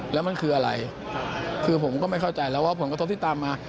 แล้วมันคืออะไรคือผมก็ไม่เข้าใจแล้วว่าผลกระทบที่ตามมา